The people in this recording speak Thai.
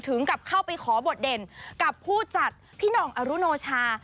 ถึงกับเข้าไปขอบทเด่นกับผู้จัดพี่หน่องอรุโนชา